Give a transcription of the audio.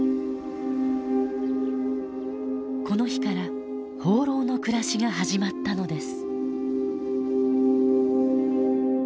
この日から放浪の暮らしが始まったのです。